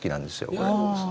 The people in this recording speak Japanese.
これ。